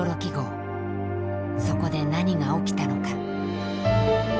そこで何が起きたのか。